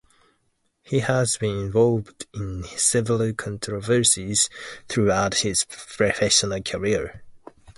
He has been involved in several controversies throughout his professional career.